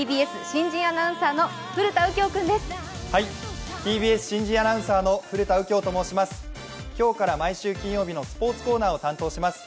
ＴＢＳ新人アナウンサーの古田敬郷と申します。